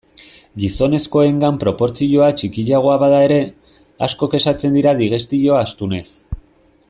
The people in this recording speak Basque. Gizonezkoengan proportzioa txikiagoa bada ere, asko kexatzen dira digestio astunez.